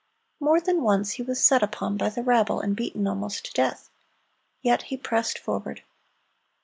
More than once he was set upon by the rabble, and beaten almost to death. Yet he pressed forward.